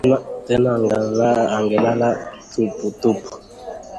Tena angelala tuputupu